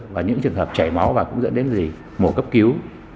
và những trường hợp chảy máu và cũng dẫn đến gì mổ cấp cứu